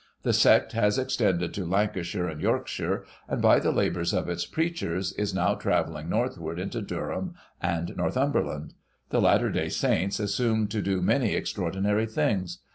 The sect has extended to Lancashire and Yorkshire ; and, by the labours of its preachers, is now travelling northward into Durham and Northumberland. The Latter Day Saints assume to do many extraordinary things.